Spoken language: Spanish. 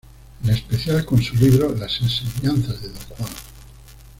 En especial con su libro "Las enseñanzas de Don Juan".